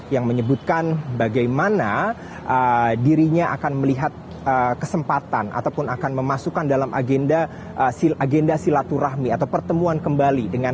yang menyebutkan bagaimana dirinya akan melihat kesempatan ataupun akan memasukkan dalam agenda silaturahmi atau pertemuan kembali dengan